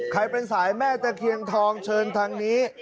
ใครเป็นสายแม่ตะเคียนทองเชิญทางนี้